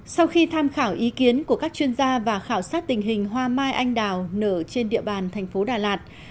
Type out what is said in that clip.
sau khi tham khảo ý kiến của các chuyên gia và khảo sát tình hình hoa mai anh đào nở trên địa bàn thành phố đà lạt